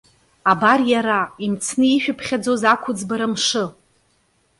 Абар иара! Имцны ишәыԥхьаӡоз ақәыӡбара мшы!